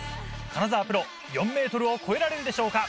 金澤プロ４ｍを越えられるでしょうか？